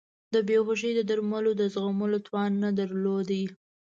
د بیهوشۍ د درملو د زغملو توان نه درلود.